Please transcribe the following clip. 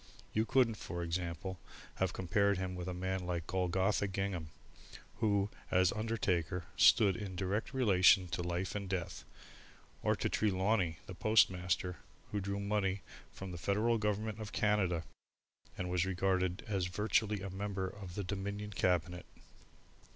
You couldn't, for example, have compared him with a man like Golgotha Gingham, who, as undertaker, stood in a direct relation to life and death, or to Trelawney, the postmaster, who drew money from the Federal Government of Canada, and was regarded as virtually a member of the Dominion Cabinet.